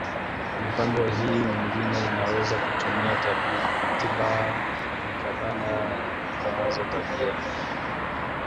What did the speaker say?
Mipango hii mingine inaweza kutumia Tiba za mikabala ya MawazoTabia